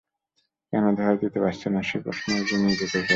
কেন ধরা দিতে পারছে না সে প্রশ্ন ও যে নিজেকেও করে।